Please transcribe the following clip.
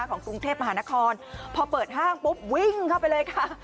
ของกรุงเทพมหานครพอเปิดห้างปุ๊บวิ่งเข้าไปเลยค่ะ